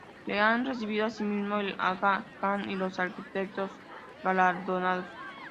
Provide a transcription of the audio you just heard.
La han recibido asimismo el Aga Khan, y los arquitectos galardonados.